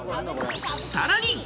さらに。